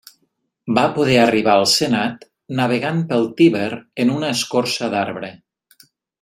Va poder arribar al senat navegant pel Tíber en una escorça d'arbre.